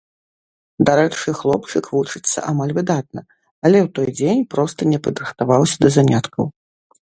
Дарэчы, хлопчык вучыцца амаль выдатна, але у той дзень проста не падрыхтаваўся да заняткаў.